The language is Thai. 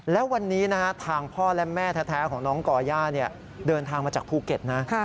และวันนี้นะฮะทางพ่อและแม่แท้ของน้องก่อย่าเดินทางมาจากภูเก็ตนะ